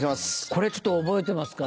これちょっと覚えてますか？